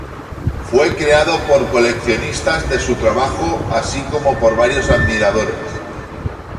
Fue creado por coleccionistas de su trabajo así como por varios admiradores.